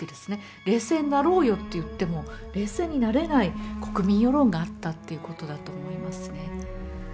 冷静になろうよと言っても冷静になれない国民世論があったっていうことだと思いますね。